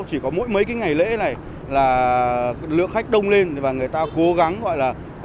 chỉ có mỗi mấy cái ngày lễ này là lượng khách đông lên và người ta cố gắng gọi là